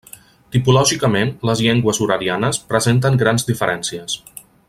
Tipològicament, les llengües uralianes presenten grans diferències.